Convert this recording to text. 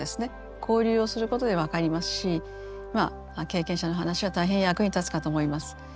交流をすることで分かりますし経験者の話は大変役に立つかと思います。